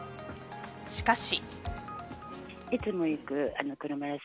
しかし。